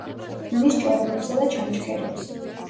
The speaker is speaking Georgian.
ქმნის ჭორომებსა და ჩანჩქერებს.